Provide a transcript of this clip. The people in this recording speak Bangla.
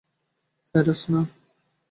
সাইরাস, না!